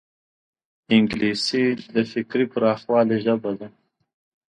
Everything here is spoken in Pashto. انګلیسي د فکري پراخوالي ژبه ده